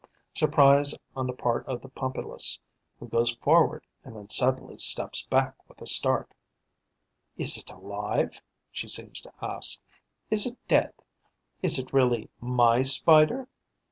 Surprise on the part of the Pompilus, who goes forward and then suddenly steps back with a start: 'Is it alive?' she seems to ask. 'Is it dead? Is it really my Spider?